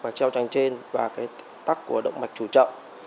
mà treo trành trên và cái tắc của động mạch chủ trọng